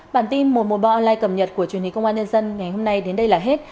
bản tin một trăm một mươi ba online cập nhật của truyền hình công an nhân dân ngày hôm nay đến đây là hết